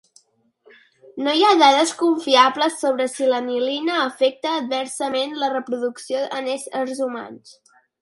No hi ha dades confiables sobre si l'anilina afecta adversament la reproducció en éssers humans.